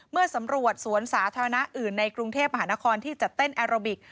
เมื่อสำรวจสวนสาธารณะอื่นในกรุงเทพมหานครที่จะเต้นแอโรบิก